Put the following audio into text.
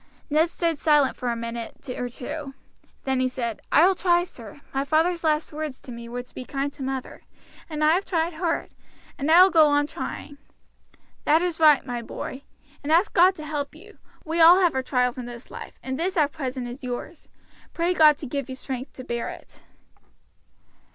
Ned stood silent for a minute or two; then he said: "I will try, sir. My father's last words to me were to be kind to mother, and I have tried hard, and I will go on trying." "That is right, my boy; and ask God to help you. We all have our trials in this life, and this at present is yours; pray God to give you strength to bear it."